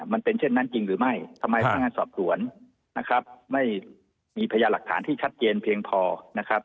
มันเป็นเช่นนั้นจริงหรือไม่ทำไมพนักงานสอบสวนนะครับไม่มีพยาหลักฐานที่ชัดเจนเพียงพอนะครับ